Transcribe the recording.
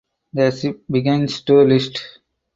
The ship begins to list.